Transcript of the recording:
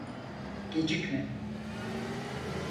Gecikme.